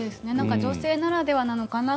女性ならではなのかな